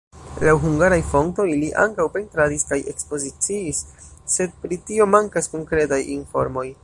Laŭ hungaraj fontoj li ankaŭ pentradis kaj ekspoziciis, sed pri tio mankas konkretaj informoj.